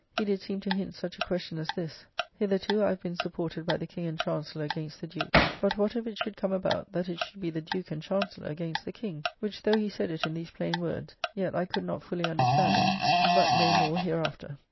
He did seem to hint such a question as this: "Hitherto I have been supported by the King and Chancellor against the Duke; but what if it should come about, that it should be the Duke and Chancellor against the King?" which, though he said it in these plain words, yet I could not fully understand it; but may more here after.